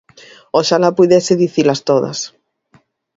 Oxalá puidese dicilas todas.